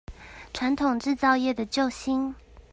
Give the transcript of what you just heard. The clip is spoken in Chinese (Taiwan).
傳統製造業的救星